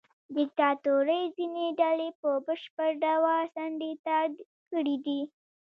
دیکتاتورۍ ځینې ډلې په بشپړ ډول څنډې ته کړې دي.